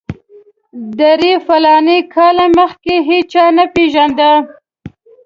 درې فلاني کاله مخکې هېچا نه پېژاند.